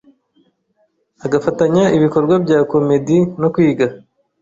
agafatanya ibikorwa bya 'comédie' no kwiga